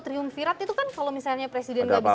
triumvirat itu kan kalau misalnya presiden gak bisa